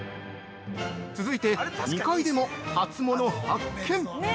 続いて、２階でも初物発見。